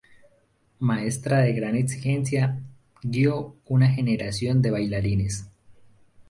Maestra de gran exigencia guió una generación de bailarines.